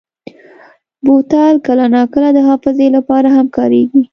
بوتل کله ناکله د حافظې لپاره هم کارېږي.